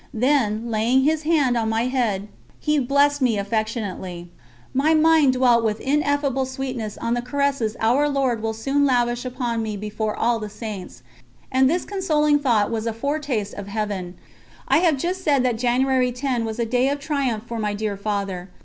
Then, laying his hand on my head, he blessed me affectionately. My mind dwelt with ineffable sweetness on the caresses Our Lord will soon lavish upon me before all the Saints, and this consoling thought was a foretaste of Heaven. I have just said that January 10 was a day of triumph for my dear Father.